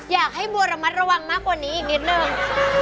อยากให้บัวระมัดระวังมากกว่านี้อีกนิดนึง